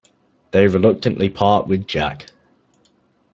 They reluctantly part with Jack.